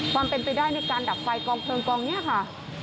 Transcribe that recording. ความเป็นไปได้ในการดับไฟกองเพลิงกองนี้ค่ะ